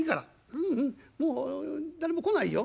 「ううんもう誰も来ないよ」。